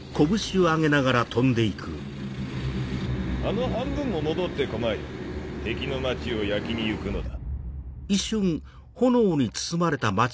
あの半分も戻って来まい敵の街を焼きに行くのだ。